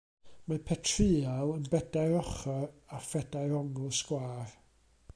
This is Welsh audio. Mae petryal yn bedair ochr â phedair ongl sgwâr.